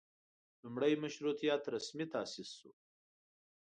لومړۍ مشروطیت رسمي تاسیس شو.